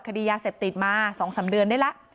คดียาเสพติดมา๒๓เดือนได้แล้ว